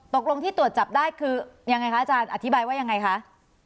ตกลงที่ตรวจจับได้คือยังไงคะอาจารย์อธิบายว่ายังไงคะ